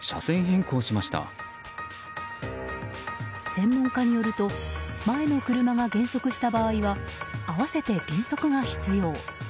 専門家によると前の車が減速した場合は合わせて減速が必要。